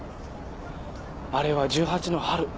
あれは１８の春。